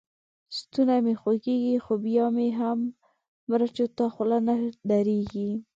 ستونی مې خوږېږي؛ خو بيا مې هم مرچو ته خوله نه درېږي.